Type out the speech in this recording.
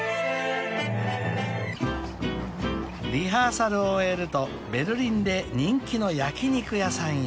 ［リハーサルを終えるとベルリンで人気の焼き肉屋さんへ］